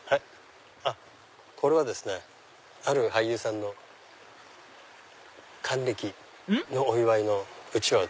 これはですねある俳優さんの還暦のお祝いのうちわを。